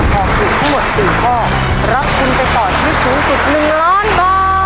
ถ้าตอบถูกทั้งหมดสี่ข้อรับทุนไปต่อชีวิต๒๑๐๐๐บาท